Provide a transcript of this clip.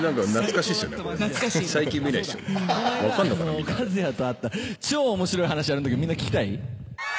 この間カズヤとあった超面白い話あるんだけどみんな聞きたい？